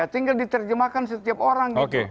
tinggal diterjemahkan setiap orang